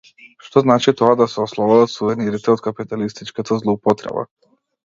Што значи тоа да се ослободат сувенирите од капиталистичката злоупотреба?